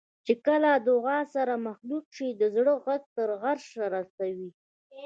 چې کله له دعا سره مخلوط شي د زړه غږ تر عرشه رسوي.